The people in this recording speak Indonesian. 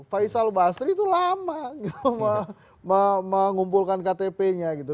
faisal basri itu lama mengumpulkan ktp nya gitu